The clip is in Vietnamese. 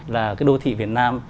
là cái đô thị việt nam